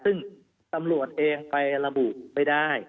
ซึ่งตำรวจเองไประบุไม่ได้